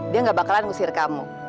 dia gak bakalan ngusir kamu